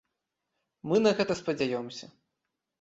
Мы на гэта спадзяёмся.